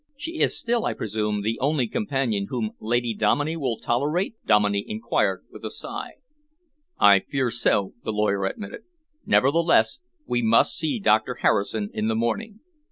"She is still, I presume, the only companion whom Lady Dominey will tolerate?" Dominey enquired with a sigh. "I fear so," the lawyer admitted. "Nevertheless we must see Doctor Harrison in the morning.